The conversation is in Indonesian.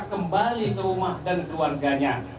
kembali ke rumah dan keluarganya